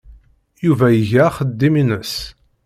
Yuba iga axeddim-nnes.